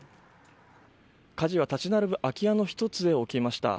火事は立ち並ぶ空き家の１つで起きました。